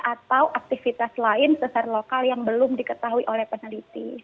atau aktivitas lain sesar lokal yang belum diketahui oleh peneliti